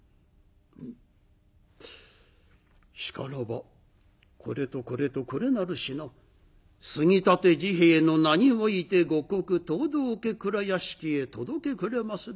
「うんしからばこれとこれとこれなる品杉立治兵衛の名において御国藤堂家蔵屋敷へ届けくれまするよう」。